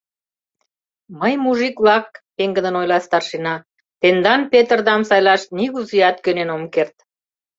— Мый, мужик-влак, — пеҥгыдын ойла старшина, — тендан Петрдам сайлаш нигузеат кӧнен ом керт.